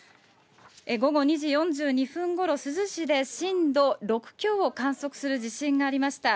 午後２時４２分ごろ、珠洲市で震度６強を観測する地震がありました。